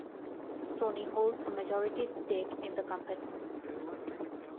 Sony holds a majority stake in the company.